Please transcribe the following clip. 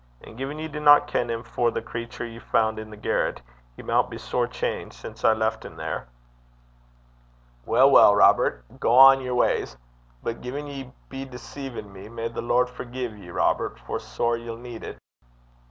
And gin ye dinna ken him for the crater ye fand i' the garret, he maun be sair changed sin' I left him there.' 'Weel, weel, Robert, gang yer wa's. But gin ye be deceivin' me, may the Lord forgie ye, Robert, for sair ye'll need it.'